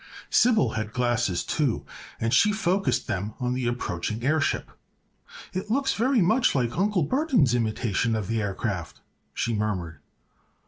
Sybil had glasses, too, and she focussed them on the approaching airship. "It looks very much like Uncle Burthon's imitation of the aircraft," she murmured.